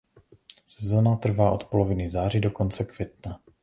Sezóna trvá od poloviny září do konce května.